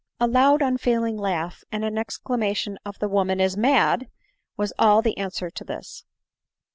A loud unfeeling laugh, and an exclamation of " the woman is mad," was all the answer to this.